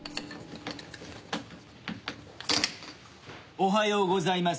おはようございます。